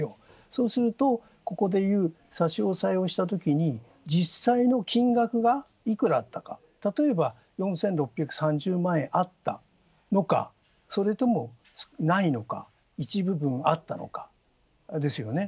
そうすると、ここで言う差し押さえをしたときに、実際の金額がいくらあったか、例えば４６３０万円あったのか、それともないのか、一部分あったのかですよね。